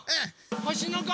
ほしのこ。